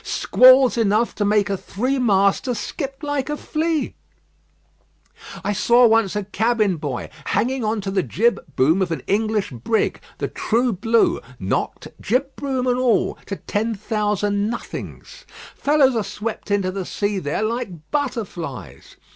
Squalls enough to make a three master skip like a flea. I saw once a cabin boy hanging on to the jibboom of an English brig, the True Blue, knocked, jibboom and all, to ten thousand nothings. Fellows are swept into the air there like butterflies.